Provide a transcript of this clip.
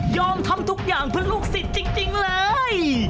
ทำทุกอย่างเพื่อลูกศิษย์จริงเลย